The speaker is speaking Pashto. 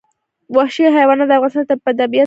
وحشي حیوانات د افغانستان په طبیعت کې مهم رول لري.